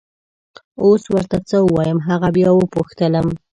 اوس ور ته څه ووایم! هغه بیا وپوښتلم.